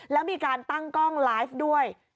แล้วมีการตั้งกล้องไลฟ์ด้วย